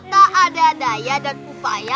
tak ada daya dan upaya